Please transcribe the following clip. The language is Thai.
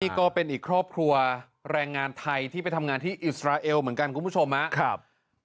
นี่ก็เป็นอีกครอบครัวแรงงานไทยที่ไปทำงานที่อิสราเอลเหมือนกันคุณผู้ชมครับ